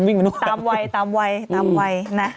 คนลูกเป็นอะไรไปวะ